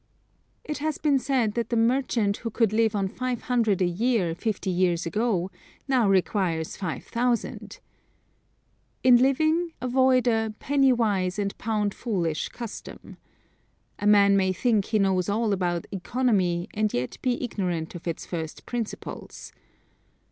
It has been said that the merchant who could live on five hundred a year, fifty years ago, now requires five thousand. In living, avoid a "penny wise and pound foolish" custom. A man may think he knows all about economy and yet be ignorant of its first principles.